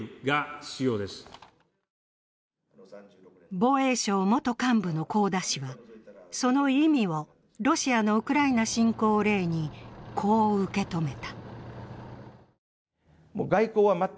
防衛省元幹部の香田氏は、その意味をロシアのウクライナ侵攻を例に、こう受け止めた。